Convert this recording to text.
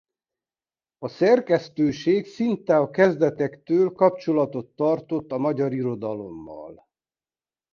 A szerkesztőség szinte a kezdetektől kapcsolatot tartott a magyar irodalommal.